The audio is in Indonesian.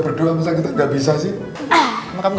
lu mewek ngapain